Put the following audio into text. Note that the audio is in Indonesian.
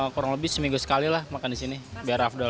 kurang lebih seminggu sekali lah makan di sini biar afdol